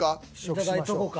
いただいとこか。